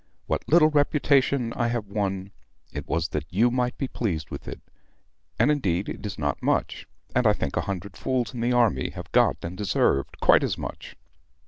What little reputation I have won, it was that you might be pleased with it: and indeed, it is not much; and I think a hundred fools in the army have got and deserved quite as much.